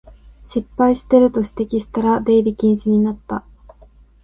失敗してると指摘したら出入り禁止になった